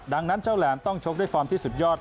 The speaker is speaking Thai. ดังนั้นเจ้าแหลมต้องชกด้วยฟอร์มที่สุดยอด